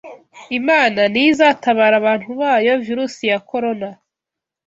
Imana niyo izatabara abantu bayo virus ya Corona